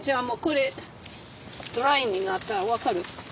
もうこれドライになったら分かる。